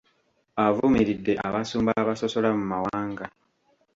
Avumiridde abasumba abasosola mu mawanga.